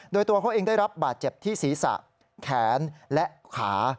โดยตัวเขาเองได้รับบาดเจ็บที่ศีรษะแขนและขา